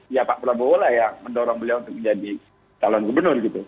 ya pak prabowo lah yang mendorong beliau untuk menjadi calon gubernur gitu